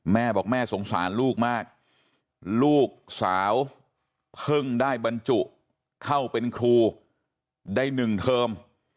แม่บอกแม่สงสารลูกมากลูกสาวเพิ่งได้บรรจุเข้าเป็นครูได้๑เทอม